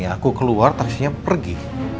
aku keluar taksinya pergi